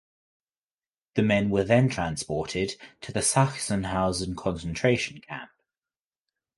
The men were then transported to the Sachsenhausen concentration camp.